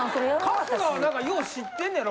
春日は何かよう知ってんねやろ。